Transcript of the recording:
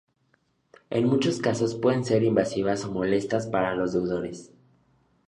En muchos casos pueden ser invasivas o molestas para los deudores.